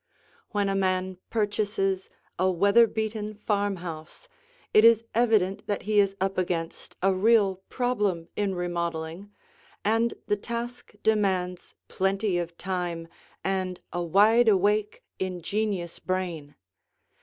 When a man purchases a weather beaten farmhouse, it is evident that he is up against a real problem in remodeling, and the task demands plenty of time and a wide awake, ingenious brain.